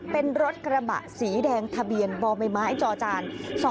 เป็นรถกระบะสีแดงทะเบียนบอบไม้ไม้จอจาน